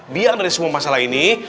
biar dari semua masalah ini